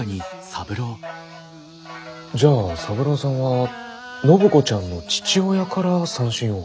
「親ぬ寄し」じゃあ三郎さんは暢子ちゃんの父親から三線を？